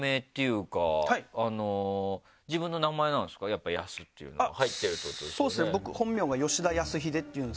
やっぱＹＡＳＵっていうのは入ってるっていうことですよね？